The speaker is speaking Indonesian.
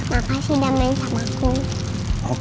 makasih udah main sama aku